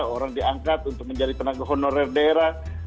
orang diangkat untuk menjadi tenaga honorer daerah